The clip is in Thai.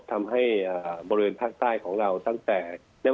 ทำให้บริเวณภาคใต้ของเราตั้งแต่